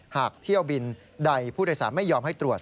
หากเที่ยวบินใดผู้โดยสารไม่ยอมให้ตรวจ